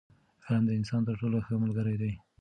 علم د انسان تر ټولو ښه ملګری دی.